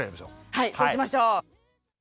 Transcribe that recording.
はいそうしましょう。